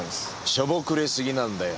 しょぼくれすぎなんだよ。